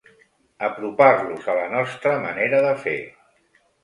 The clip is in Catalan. Apropar-los a la nostra manera de fer.